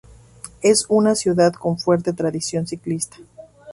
Es una ciudad con fuerte tradición ciclista.